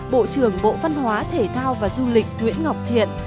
bộ trưởng bộ văn hóa thể thao và du lịch nguyễn ngọc thiện